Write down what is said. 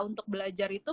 untuk belajar itu